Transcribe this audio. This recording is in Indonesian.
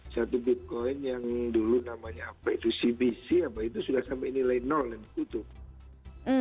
satu bitcoin yang dulu namanya apa itu cbc apa itu sudah sampai nilai nol yang dikutuk